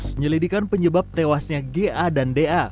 penyelidikan penyebab tewasnya ga dan da